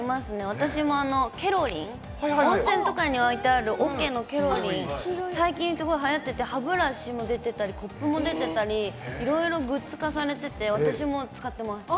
私もケロリン、温泉とかに置いてあるおけのケロリン、最近すごいはやってて、歯ブラシも出てたり、コップも出てたり、いろいろグッズ化されてて、私も使ってます。